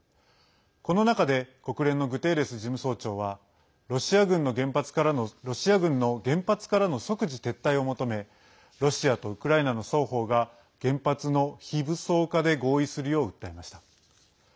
この中で国連のグテーレス事務総長はロシア軍の原発からの即時撤退を求めロシアとウクライナの双方が原発の非武装化で合意するよう訴えました。